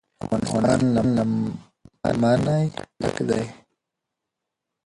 افغانستان له منی ډک دی.